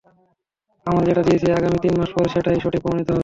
আমরা যেটা দিয়েছি, আগামী তিন মাস পরে সেটাই সঠিক প্রমাণিত হবে।